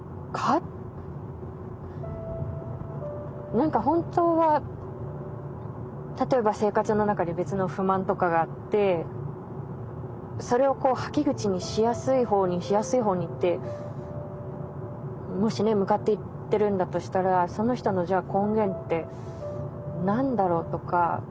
何か本当は例えば生活の中で別の不満とかがあってそれをはけ口にしやすいほうにしやすいほうにってもしね向かっていってるんだとしたらその人のじゃあ根源って何だろうとか。